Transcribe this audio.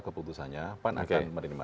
keputusannya pan akan menerima